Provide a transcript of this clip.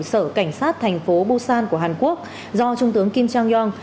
sở cảnh sát tp busan của hàn quốc do trung tướng kim chang yong